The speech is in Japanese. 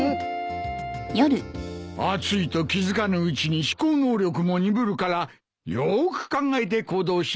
暑いと気付かぬうちに思考能力も鈍るからよーく考えて行動しなければならんな。